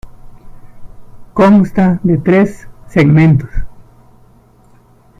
Consta de tres segmentos.